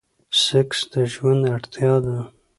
سيکس د ژوند اړتيا ده.